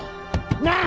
なあ！